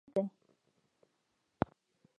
اوښ د افغانستان د ځایي اقتصادونو بنسټ دی.